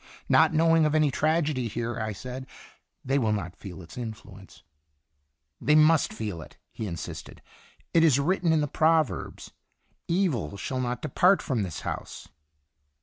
" Not knowing of any tragedy here/' I said, " they will not feel its influence." "They must feel it," he insisted; "it is written in the Proverbs, * Evil shall not depart from his house.'"